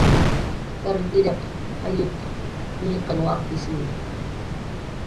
"Karritiraq jallut"" ñiqan waptishiwi"